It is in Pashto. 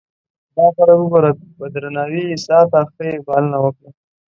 دا خلک وګوره په درناوي یې ساته ښه یې پالنه وکړه.